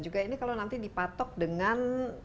juga ini kalau nanti dipatok dengan